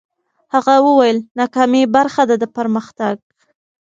هغه وویل، ناکامي برخه ده د پرمختګ.